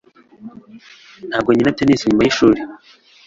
Ntabwo nkina tennis nyuma yishuri